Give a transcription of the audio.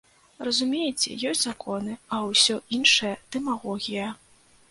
Разумееце, ёсць законы, а ўсё іншае дэмагогія.